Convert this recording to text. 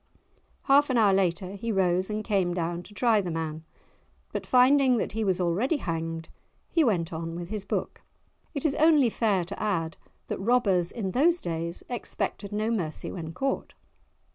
Half an hour later he rose and came down to try the man, but finding that he was already hanged he went on with his book. It is only fair to add that robbers in those days expected no mercy when caught.